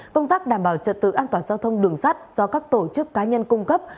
công tác đảm bảo trật tự an toàn giao thông đường sắt do các tổ chức cá nhân cung cấp